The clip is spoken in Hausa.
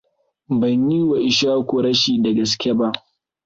Ban yi wa Ishaku rashi da gaske ba.